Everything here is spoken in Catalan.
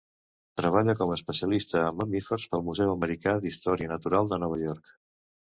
Treballà com a especialista en mamífers pel Museu Americà d'Història Natural de Nova York.